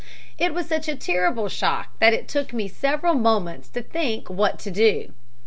"It was such a terrible shock that it took me several moments to think what to do.